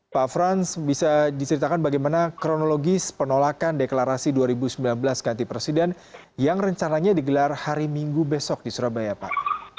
pak frans bisa diceritakan bagaimana kronologis penolakan deklarasi dua ribu sembilan belas ganti presiden yang rencananya digelar hari minggu besok di surabaya pak